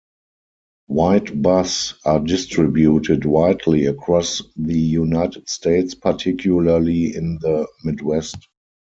White bass are distributed widely across the United States, particularly in the Midwest.